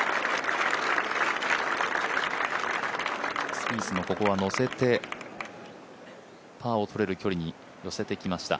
スピースもここはのせてパーをとれる距離に寄せてきました。